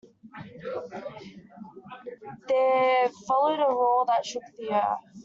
There followed a roar that shook the earth.